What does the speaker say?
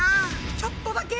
ちょっとだけ。